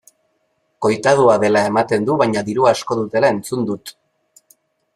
Koitadua dela ematen du baina diru asko dutela entzuna dut.